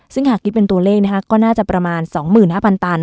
ซึ่งหากคิดเป็นตัวเลขก็น่าจะประมาณ๒๕๐๐ตัน